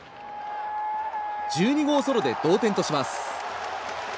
１２号ソロで同点とします。